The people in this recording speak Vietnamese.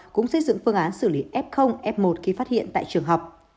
cũng xây dựng phương án xử lý f f một khi phát hiện tại trường học